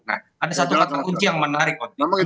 nah ada satu kata kunci yang menarik untuk